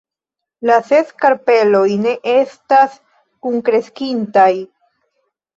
La ses karpeloj ne estas kunkreskintaj.